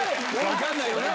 分かんないよね。